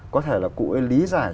có thể là cụ ấy lý giải